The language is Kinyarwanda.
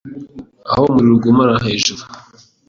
Aho umuriro ugurumana hejuru